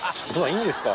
いいんですか？